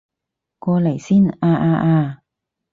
過嚟先啊啊啊